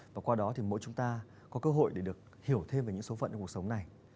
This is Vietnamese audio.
và qua đó thì mỗi chúng ta có cơ hội để được hiểu thêm về những số phận trong cuộc sống này